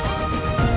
maka juga menenun